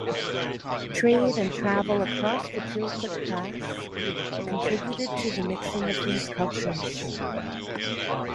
Trade and travel across the Chilkoot pass contributed to the mixing of these cultures.